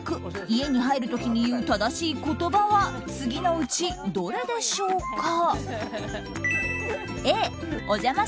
家に入る時に言う正しい言葉は次のうちどれでしょうか？